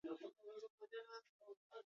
Telebista publikoko kirol kazetaria.